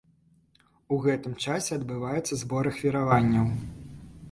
У гэтым часе адбываецца збор ахвяраванняў.